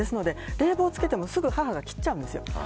冷房つけても、すぐ母親が切ってしまうんです。